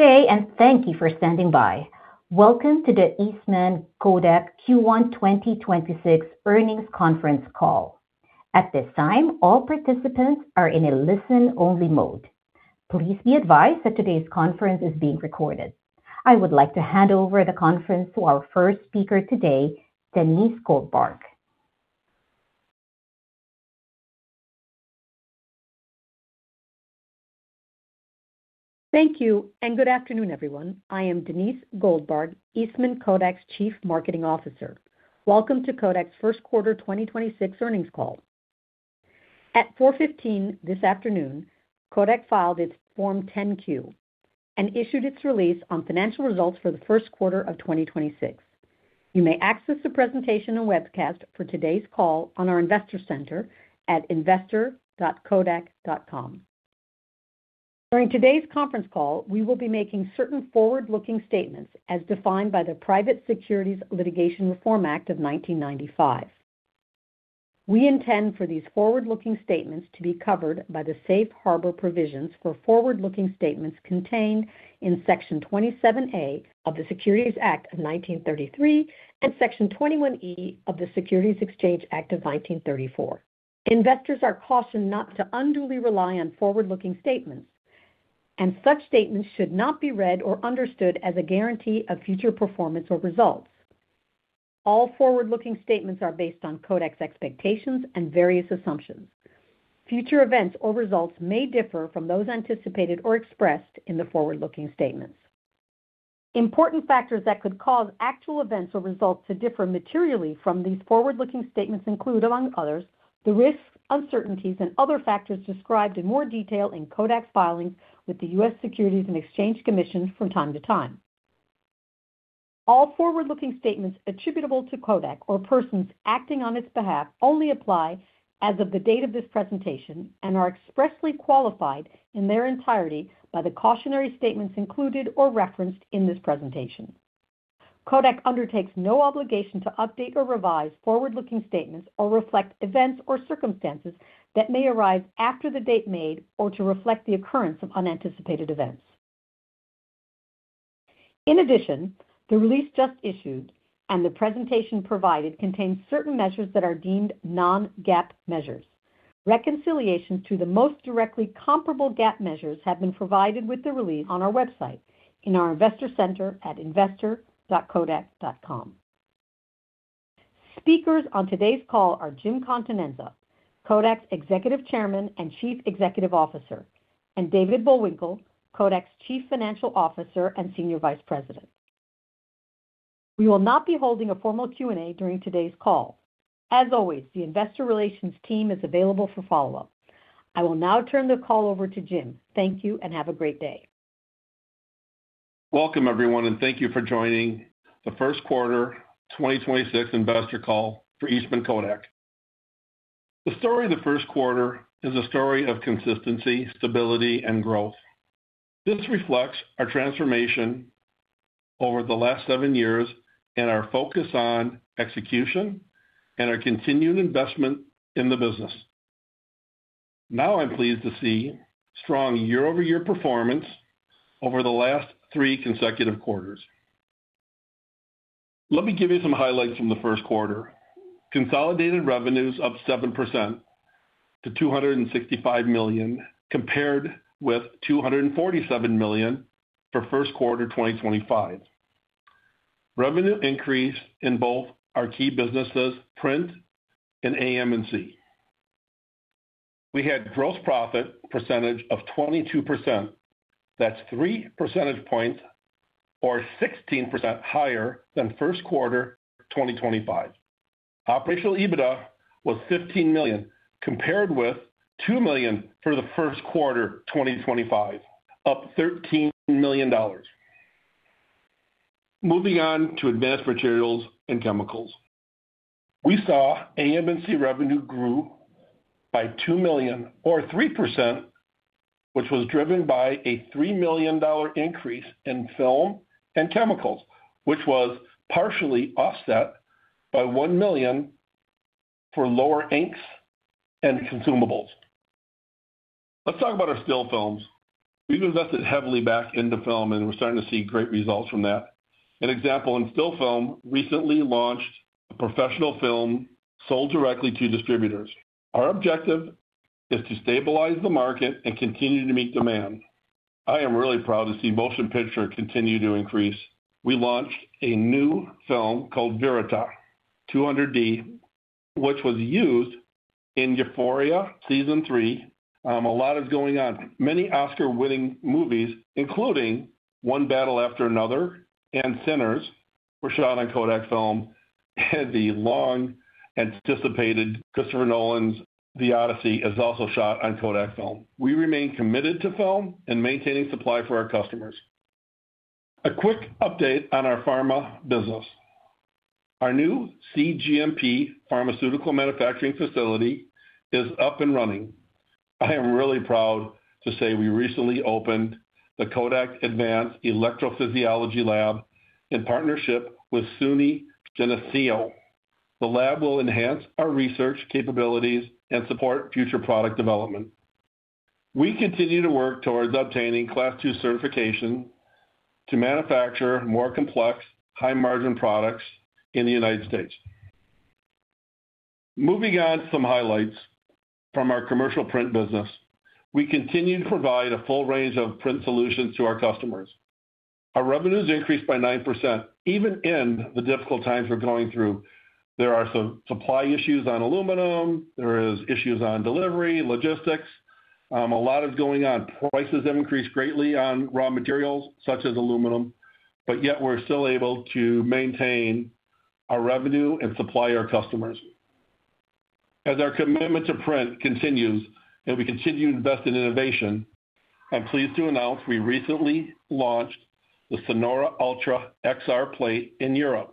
Today, and thank you for standing by. Welcome to the Eastman Kodak Q1 2026 earnings conference call. At this time, all participants are in a listen-only mode. Please be advised that today's conference is being recorded. I would like to hand over the conference to our first speaker today, Denisse Goldbarg. Thank you, good afternoon, everyone. I am Denisse Goldbarg, Eastman Kodak's Chief Marketing Officer. Welcome to Kodak's first quarter 2026 earnings call. At 4:15 P.M. this afternoon, Kodak filed its Form 10-Q and issued its release on financial results for the first quarter of 2026. You may access the presentation and webcast for today's call on our investor center at investor.kodak.com. During today's conference call, we will be making certain forward-looking statements as defined by the Private Securities Litigation Reform Act of 1995. We intend for these forward-looking statements to be covered by the safe harbor provisions for forward-looking statements contained in Section 27A of the Securities Act of 1933 and Section 21E of the Securities Exchange Act of 1934. Investors are cautioned not to unduly rely on forward-looking statements, and such statements should not be read or understood as a guarantee of future performance or results. All forward-looking statements are based on Kodak's expectations and various assumptions. Future events or results may differ from those anticipated or expressed in the forward-looking statements. Important factors that could cause actual events or results to differ materially from these forward-looking statements include, among others, the risks, uncertainties, and other factors described in more detail in Kodak's filings with the U.S. Securities and Exchange Commission from time to time. All forward-looking statements attributable to Kodak or persons acting on its behalf only apply as of the date of this presentation and are expressly qualified in their entirety by the cautionary statements included or referenced in this presentation. Kodak undertakes no obligation to update or revise forward-looking statements or reflect events or circumstances that may arise after the date made or to reflect the occurrence of unanticipated events. In addition, the release just issued and the presentation provided contains certain measures that are deemed non-GAAP measures. Reconciliations to the most directly comparable GAAP measures have been provided with the release on our website in our investor center at investor.kodak.com. Speakers on today's call are Jim Continenza, Kodak's Executive Chairman and Chief Executive Officer, and David Bullwinkle, Kodak's Chief Financial Officer and Senior Vice President. We will not be holding a formal Q&A during today's call. As always, the investor relations team is available for follow-up. I will now turn the call over to Jim. Thank you, and have a great day. Welcome, everyone, and thank you for joining the first quarter 2026 investor call for Eastman Kodak. The story of the first quarter is a story of consistency, stability, and growth. This reflects our transformation over the last seven years and our focus on execution and our continued investment in the business. I'm pleased to see strong year-over-year performance over the last three consecutive quarters. Let me give you some highlights from the first quarter. Consolidated revenues up 7% to $265 million, compared with $247 million for first quarter 2025. Revenue increase in both our key businesses, Print and AM&C. We had gross profit percentage of 22%. That's three percentage points or 16% higher than first quarter 2025. Operational EBITDA was $15 million, compared with $2 million for the first quarter 2025, up $13 million. Moving on to Advanced Materials and Chemicals. We saw AM&C revenue grew by $2 million or 3%, which was driven by a $3 million increase in film and chemicals, which was partially offset by $1 million for lower inks and consumables. Let's talk about our still films. We've invested heavily back into film. We're starting to see great results from that. An example, in still film, recently launched a professional film sold directly to distributors. Our objective is to stabilize the market and continue to meet demand. I am really proud to see motion picture continue to increase. We launched a new film called KODAK VERITA 200D, which was used in Euphoria Season three. A lot is going on. Many Oscar-winning movies, including One Battle After Another and Sinners, were shot on Kodak film. The long-anticipated Christopher Nolan's The Odyssey is also shot on Kodak film. We remain committed to film and maintaining supply for our customers. A quick update on our pharma business. Our new cGMP pharmaceutical manufacturing facility is up and running. I am really proud to say we recently opened the Kodak Advanced Electrophysiology Lab in partnership with SUNY Geneseo. The lab will enhance our research capabilities and support future product development. We continue to work towards obtaining Class II certification to manufacture more complex, high-margin products in the United States. Moving on some highlights from our commercial print business. We continue to provide a full range of print solutions to our customers. Our revenues increased by 9% even in the difficult times we're going through. There are some supply issues on aluminum, there is issues on delivery, logistics. A lot is going on. Prices have increased greatly on raw materials such as aluminum, but yet we're still able to maintain our revenue and supply our customers. As our commitment to print continues, and we continue to invest in innovation, I'm pleased to announce we recently launched the SONORA UltraXR Plate in Europe,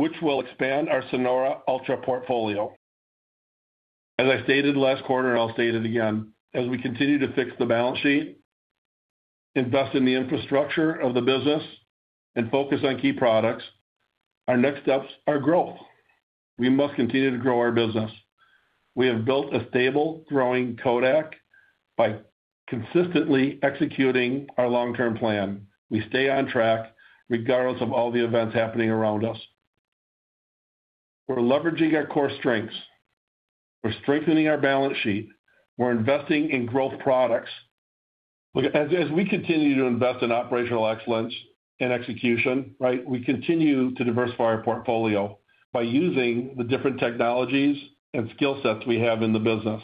which will expand our SONORA Ultra portfolio. As I stated last quarter, and I'll state it again, as we continue to fix the balance sheet, invest in the infrastructure of the business, and focus on key products, our next steps are growth. We must continue to grow our business. We have built a stable, growing Kodak by consistently executing our long-term plan. We stay on track regardless of all the events happening around us. We're leveraging our core strengths. We're strengthening our balance sheet. We're investing in growth products. As we continue to invest in operational excellence and execution, right? We continue to diversify our portfolio by using the different technologies and skill sets we have in the business.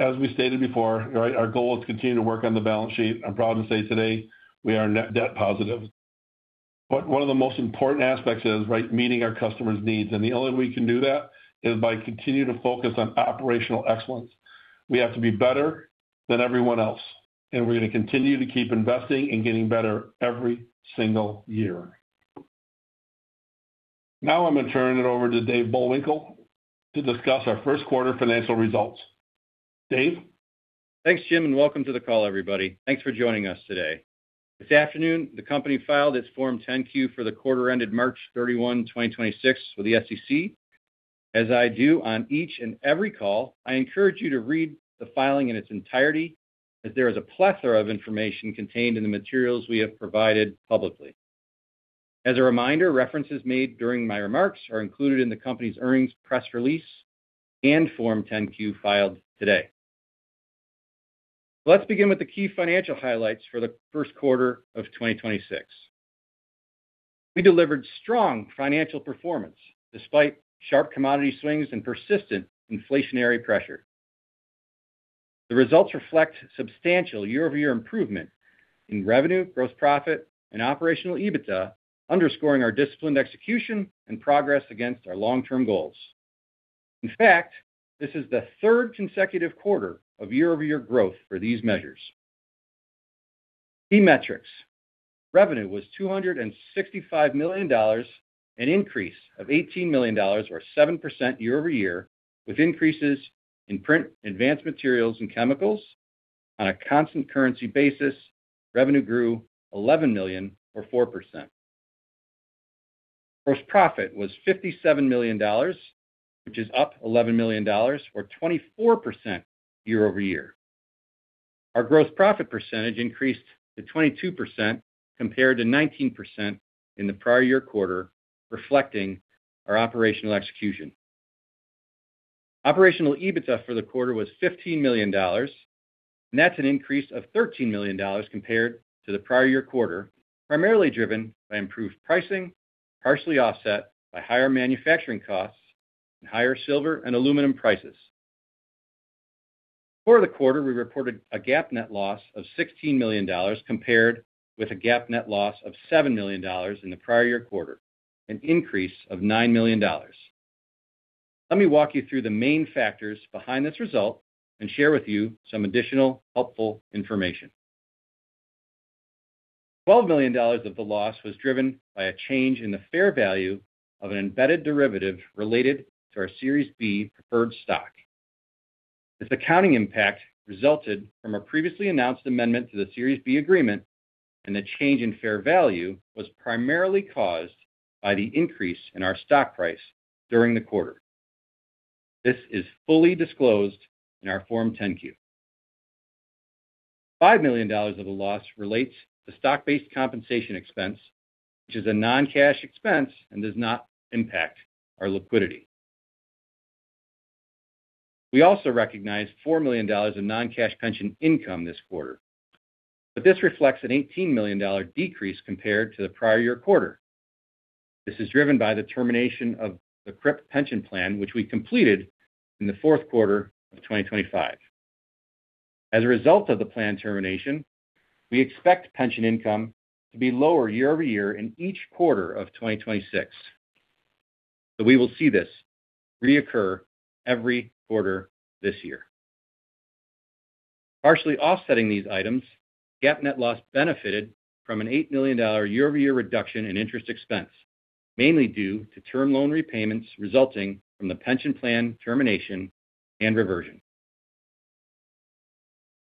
As we stated before, right, our goal is to continue to work on the balance sheet. I'm proud to say today we are net debt positive. One of the most important aspects is, right, meeting our customers' needs, and the only way we can do that is by continue to focus on operational excellence. We have to be better than everyone else, and we're gonna continue to keep investing and getting better every single year. I'm gonna turn it over to Dave Bullwinkle to discuss our first quarter financial results. Dave? Thanks, Jim. Welcome to the call, everybody. Thanks for joining us today. This afternoon, the company filed its Form 10-Q for the quarter ended 31st March 2026 with the SEC. As I do on each and every call, I encourage you to read the filing in its entirety as there is a plethora of information contained in the materials we have provided publicly. As a reminder, references made during my remarks are included in the company's earnings press release and Form 10-Q filed today. Let's begin with the key financial highlights for the first quarter of 2026. We delivered strong financial performance despite sharp commodity swings and persistent inflationary pressure. The results reflect substantial year-over-year improvement in revenue, gross profit, and operational EBITDA, underscoring our disciplined execution and progress against our long-term goals. In fact, this is the third consecutive quarter of year-over-year growth for these measures. Key metrics. Revenue was $265 million, an increase of $18 million or 7% year-over-year, with increases in print, advanced materials, and chemicals. On a constant currency basis, revenue grew $11 million or 4%. Gross profit was $57 million, which is up $11 million or 24% year-over-year. Our gross profit percentage increased to 22% compared to 19% in the prior-year quarter, reflecting our operational execution. Operational EBITDA for the quarter was $15 million, and that's an increase of $13 million compared to the prior-year quarter, primarily driven by improved pricing, partially offset by higher manufacturing costs and higher silver and aluminum prices. For the quarter, we reported a GAAP net loss of $16 million compared with a GAAP net loss of $7 million in the prior year quarter, an increase of $9 million. Let me walk you through the main factors behind this result and share with you some additional helpful information. $12 million of the loss was driven by a change in the fair value of an embedded derivative related to our Series B preferred stock. This accounting impact resulted from a previously announced amendment to the Series B agreement, and the change in fair value was primarily caused by the increase in our stock price during the quarter. This is fully disclosed in our Form 10-Q. $5 million of the loss relates to stock-based compensation expense, which is a non-cash expense and does not impact our liquidity. We also recognized $4 million in non-cash pension income this quarter. This reflects an $18 million decrease compared to the prior year quarter. This is driven by the termination of the KRIP pension plan, which we completed in the fourth quarter of 2025. As a result of the plan termination, we expect pension income to be lower year-over-year in each quarter of 2026. We will see this reoccur every quarter this year. Partially offsetting these items, GAAP net loss benefited from an $8 million year-over-year reduction in interest expense, mainly due to term loan repayments resulting from the pension plan termination and reversion.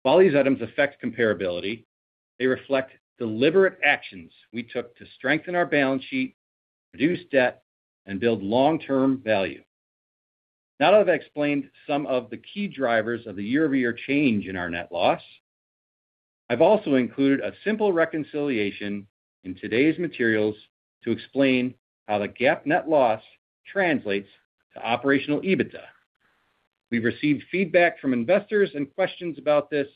While these items affect comparability, they reflect deliberate actions we took to strengthen our balance sheet, reduce debt, and build long-term value. Now that I've explained some of the key drivers of the year-over-year change in our net loss, I've also included a simple reconciliation in today's materials to explain how the GAAP net loss translates to operational EBITDA. We've received feedback from investors and questions about this,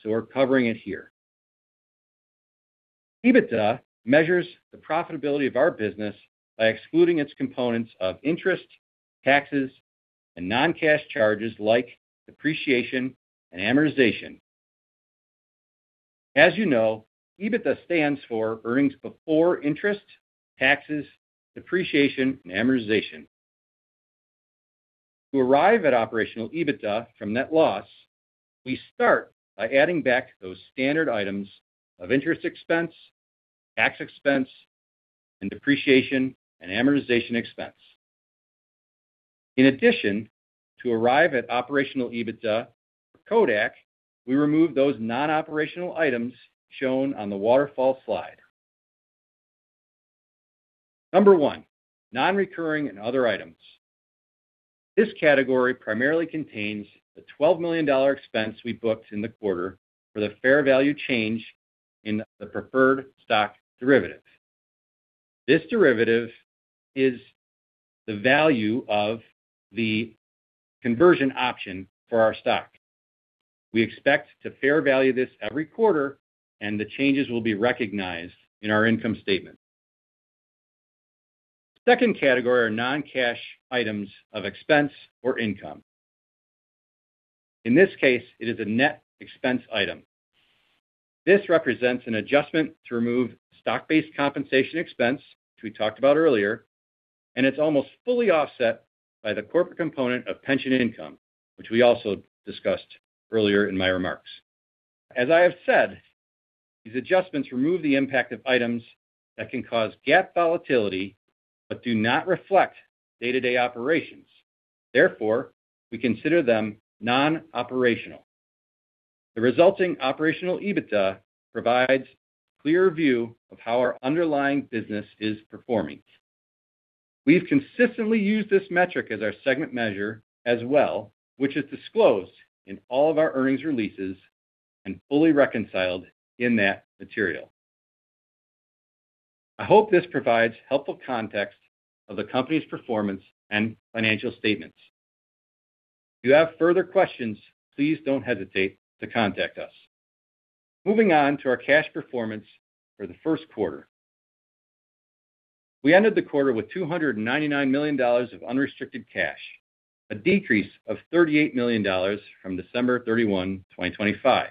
so we're covering it here. EBITDA measures the profitability of our business by excluding its components of interest, taxes, and non-cash charges like depreciation and amortization. As you know, EBITDA stands for earnings before interest, taxes, depreciation, and amortization. To arrive at operational EBITDA from net loss, we start by adding back those standard items of interest expense, tax expense, and depreciation and amortization expense. In addition, to arrive at operational EBITDA for Kodak, we remove those non-operational items shown on the waterfall slide. Number 1. Non-recurring and other items. This category primarily contains the $12 million expense we booked in the quarter for the fair value change in the preferred stock derivative. This derivative is the value of the conversion option for our stock. We expect to fair value this every quarter, and the changes will be recognized in our income statement. Second category are non-cash items of expense or income. In this case, it is a net expense item. This represents an adjustment to remove stock-based compensation expense, which we talked about earlier, and it's almost fully offset by the corporate component of pension income, which we also discussed earlier in my remarks. As I have said, these adjustments remove the impact of items that can cause GAAP volatility, but do not reflect day-to-day operations. Therefore, we consider them non-operational. The resulting operational EBITDA provides a clear view of how our underlying business is performing. We've consistently used this metric as our segment measure as well, which is disclosed in all of our earnings releases and fully reconciled in that material. I hope this provides helpful context of the company's performance and financial statements. If you have further questions, please don't hesitate to contact us. Moving on to our cash performance for the first quarter. We ended the quarter with $299 million of unrestricted cash, a decrease of $38 million from 31st December 2025.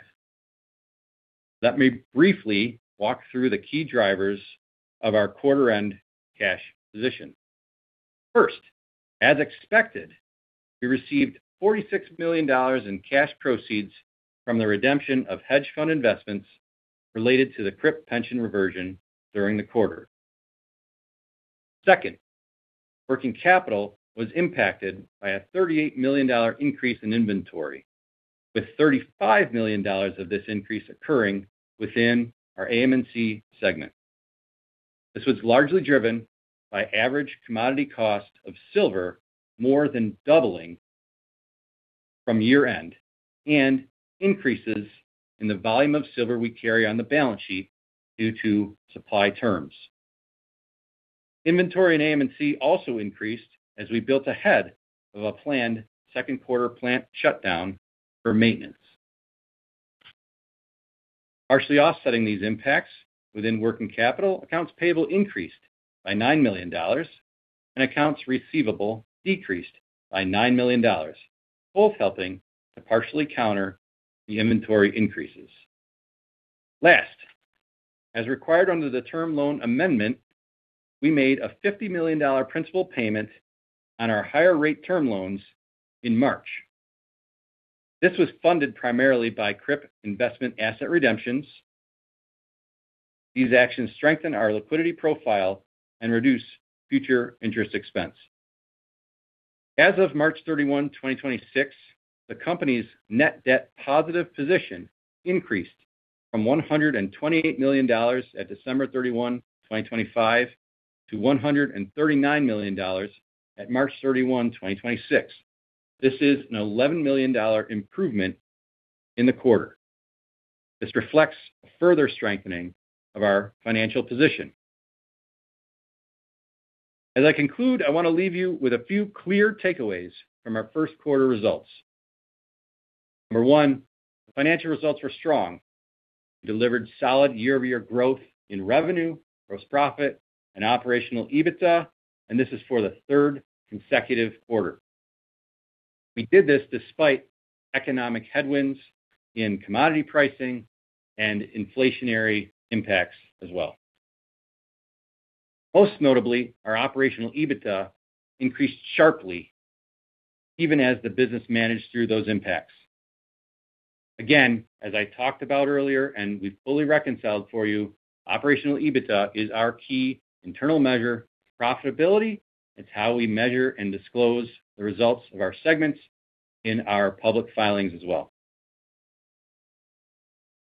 Let me briefly walk through the key drivers of our quarter-end cash position. First, as expected, we received $46 million in cash proceeds from the redemption of hedge fund investments related to the KRIP pension reversion during the quarter. Second, working capital was impacted by a $38 million increase in inventory, with $35 million of this increase occurring within our AM&C segment. This was largely driven by average commodity cost of silver more than doubling from year-end and increases in the volume of silver we carry on the balance sheet due to supply terms. Inventory in AM&C also increased as we built ahead of a planned second quarter plant shutdown for maintenance. Partially offsetting these impacts within working capital, accounts payable increased by $9 million and accounts receivable decreased by $9 million, both helping to partially counter the inventory increases. As required under the term loan amendment, we made a $50 million principal payment on our higher rate term loans in March. This was funded primarily by KRIP investment asset redemptions. These actions strengthen our liquidity profile and reduce future interest expense. As of 31st March 2026, the company's net debt positive position increased from $128 million at 31st December 2025, to $139 million at 31st March 2026. This is an $11 million improvement in the quarter. This reflects a further strengthening of our financial position. As I conclude, I want to leave you with a few clear takeaways from our first quarter results. Number one, the financial results were strong. We delivered solid year-over-year growth in revenue, gross profit, and operational EBITDA. This is for the third consecutive quarter. We did this despite economic headwinds in commodity pricing and inflationary impacts as well. Most notably, our operational EBITDA increased sharply even as the business managed through those impacts. Again, as I talked about earlier, and we've fully reconciled for you, operational EBITDA is our key internal measure of profitability. It's how we measure and disclose the results of our segments in our public filings as well.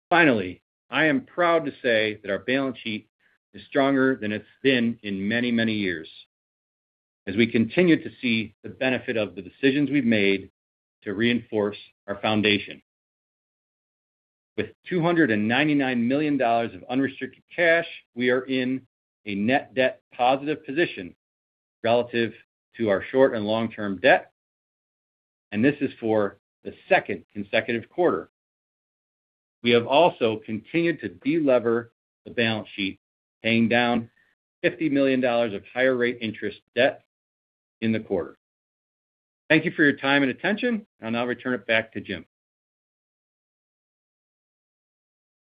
Finally, I am proud to say that our balance sheet is stronger than it's been in many, many years as we continue to see the benefit of the decisions we've made to reinforce our foundation. With $299 million of unrestricted cash, we are in a net debt positive position relative to our short and long-term debt, and this is for the second consecutive quarter. We have also continued to de-lever the balance sheet, paying down $50 million of higher rate interest debt in the quarter. Thank you for your time and attention. I'll now return it back to Jim.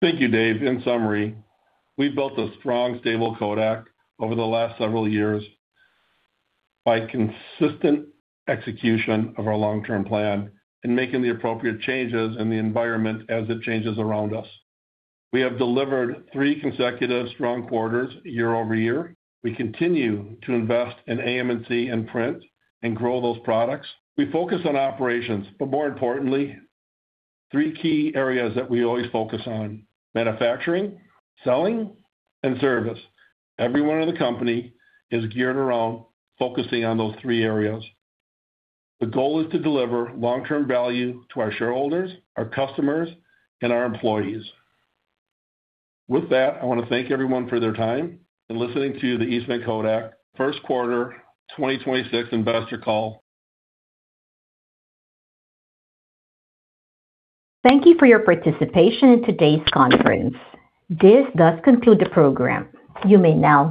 Thank you, Dave. In summary, we've built a strong, stable Kodak over the last several years by consistent execution of our long-term plan and making the appropriate changes in the environment as it changes around us. We have delivered three consecutive strong quarters year-over-year. We continue to invest in AM & C and print and grow those products. We focus on operations, but more importantly, three key areas that we always focus on: manufacturing, selling, and service. Every one of the company is geared around focusing on those three areas. The goal is to deliver long-term value to our shareholders, our customers, and our employees. With that, I wanna thank everyone for their time and listening to the Eastman Kodak first quarter 2026 investor call. Thank you for your participation in today's conference. This does conclude the program. You may now disconnect.